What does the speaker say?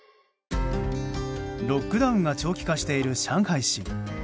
ロックダウンが長期化している上海市。